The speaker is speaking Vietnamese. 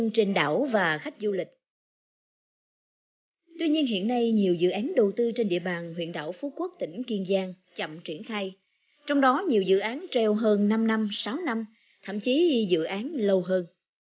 trong đó nhiều dự án treo hơn năm năm sáu năm thậm chí dự án lâu hơn